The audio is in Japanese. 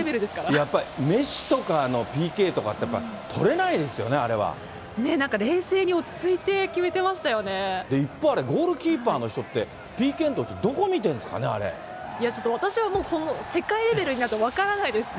やっぱりメッシとかのＰＫとかって、やっぱりとれないですよなんか冷静に落ち着いて決め一方、あれ、ゴールキーパーの人って、ＰＫのとき、どこ見てんですかね、ちょっと私はもう、世界レベルになると分からないです。